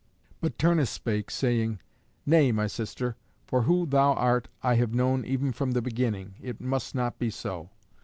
But Turnus spake, saying, "Nay, my sister, for who thou art I have known even from the beginning, it must not be so.